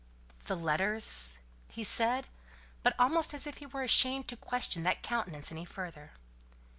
"The letters?" he said, but almost as if he were ashamed to question that countenance any further.